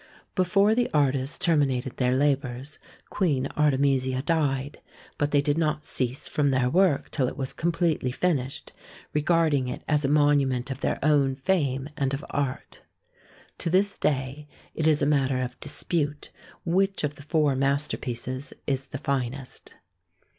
Before the artists terminated their labours, Queen Artemisia died, but they did not cease from their work till it was completely finished, regarding it as a monument of their own fame and of art. To this day it is a matter of dispute which of the four masterpieces is the finest.